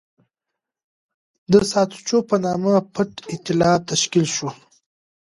د ساتچو په نامه پټ اېتلاف تشکیل شو.